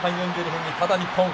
ただ、日本